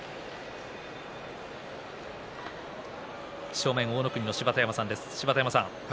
正面は大乃国の芝田山さんです。